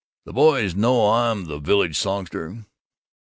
"You boys know I'm the village songster?